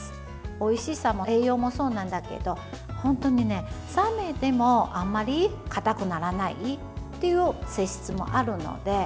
おいしさも栄養もそうなんだけど本当に冷めてもあまりかたくならないという性質もあるので、よかったらぜひ。